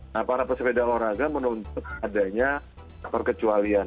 nah para pesepeda olahraga menuntut adanya perkecualian